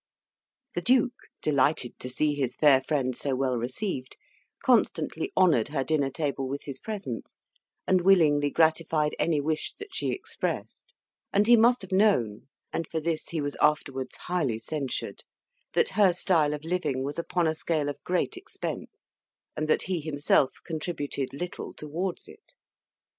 The duke, delighted to see his fair friend so well received, constantly honoured her dinner table with his presence, and willingly gratified any wish that she expressed; and he must have known (and for this he was afterwards highly censured) that her style of living was upon a scale of great expense, and that he himself contributed little towards it.